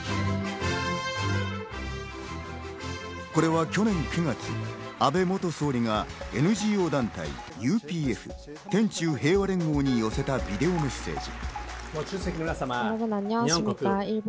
これは去年９月、安倍元総理がＮＧＯ団体、ＵＰＦ＝天宙平和連合に寄せたビデオメッセージ。